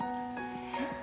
えっ？